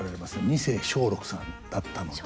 二世松緑さんだったので。